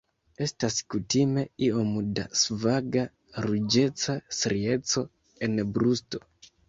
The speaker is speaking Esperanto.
Estas kutime iom da svaga ruĝeca strieco en brusto.